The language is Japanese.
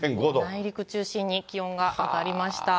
内陸中心に、気温が上がりました。